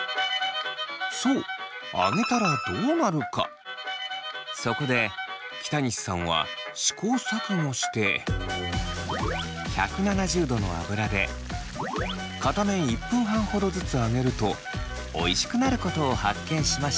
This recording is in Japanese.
そうそこで北西さんは試行錯誤して１７０度の油で片面１分半ほどずつ揚げるとおいしくなることを発見しました。